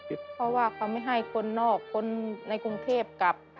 เพราะว่าเขาไม่ให้คนนอกคนในกรุงเทพกลับ